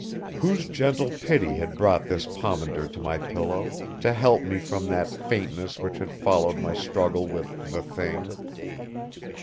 Whose gentle pity had brought this pomander to my pillow, to help me from that faintness which had followed my struggle with the Thing?